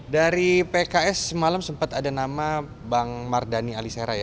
dari pks semalam sempat ada nama bang mardhani alisera ya